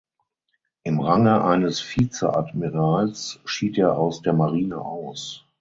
Im Range eines Vizeadmirals schied er aus der Marine aus.